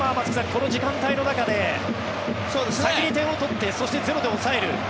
この時間帯の中で先に点を取ってそして０に抑える。